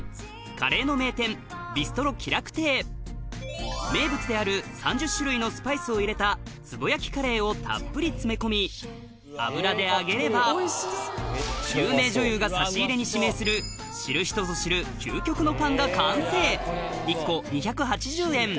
カレーの名店名物である３０種類のスパイスを入れた壺焼きカレーをたっぷり詰め込み油で揚げれば有名女優が差し入れに指名する知る人ぞ知る究極のパンが完成１個２８０円